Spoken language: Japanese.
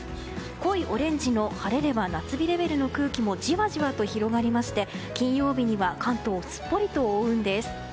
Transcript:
濃いオレンジの晴れれば夏日レベルの空気もじわじわと広がりまして金曜日には関東をすっぽり覆うんです。